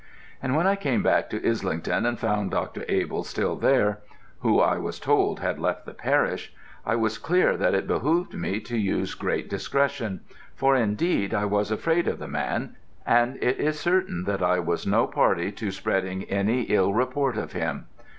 And when I came back to Islington and found Dr. Abell still there, who I was told had left the parish, I was clear that it behoved me to use great discretion, for indeed I was afraid of the man, and it is certain I was no party to spreading any ill report of him.